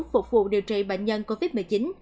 phục vụ điều trị bệnh nhân covid một mươi chín